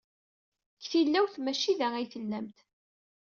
Deg tilawt, maci da ay tellamt.